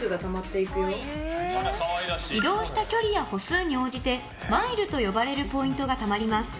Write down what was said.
移動した距離や歩数に応じてマイルと呼ばれるポイントがたまります。